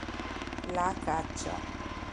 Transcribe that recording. La caccia.